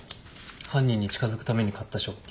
犯人に近づくために買った食器。